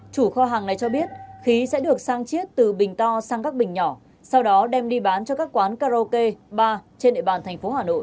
chủ kho hàng này cho biết khí sẽ được sang chiết từ bình to sang các bình nhỏ sau đó đem đi bán cho các quán karaoke ba trên địa bàn thành phố hà nội